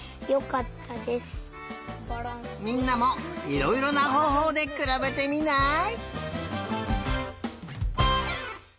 みんなもいろいろなほうほうでくらべてみない？